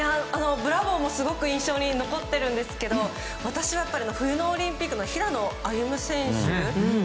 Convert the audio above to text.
ブラボーもすごく印象に残っているんですけど私は冬のオリンピックの平野歩夢選手。